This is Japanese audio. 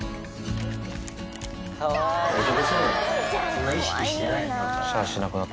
そんな意識してない。